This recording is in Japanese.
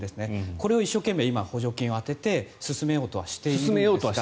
これを一生懸命、補助金を充てて進めようとはしています。